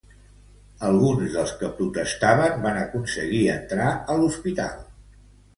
Alguns dels que protestaven van aconseguir entrar a l'hospital.